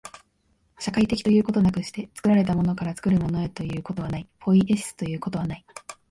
社会的ということなくして、作られたものから作るものへということはない、ポイエシスということはない。